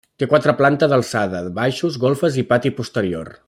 Té quatre plantes d'alçada, baixos, golfes i pati posterior.